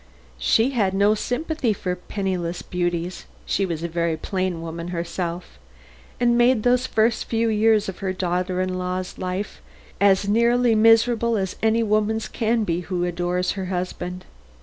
She had no sympathy for penniless beauties (she was a very plain woman herself) and made those first few years of her daughter in law's life as nearly miserable as any woman's can be who adores her husband.